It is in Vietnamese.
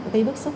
cái bước xúc